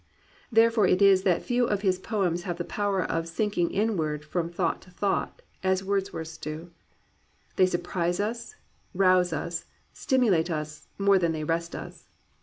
Therefore it is that few of his poems have the power of "sinking inward from thought to thought" as Wordsworth's do. They surprise us, rouse us, stimulate us, more than they rest us.